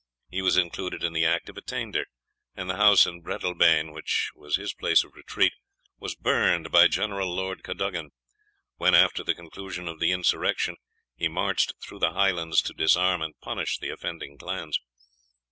He was included in the act of attainder, and the house in Breadalbane, which was his place of retreat, was burned by General Lord Cadogan, when, after the conclusion of the insurrection, he marched through the Highlands to disarm and punish the offending clans.